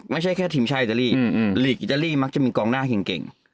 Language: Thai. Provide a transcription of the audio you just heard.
ไม่ใช่แค่ทีมชาติอิตาลีหลีกอิตาลีมักจะมีกองหน้าเก่ง